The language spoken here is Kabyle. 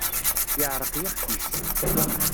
Yeɛreq yixef-is.